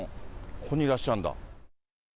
ここにいらっしゃるんだ。